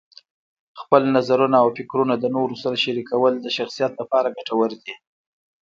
خپل نظرونه او فکرونه د نورو سره شریکول د شخصیت لپاره ګټور دي.